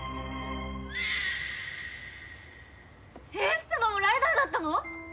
英寿様もライダーだったの！？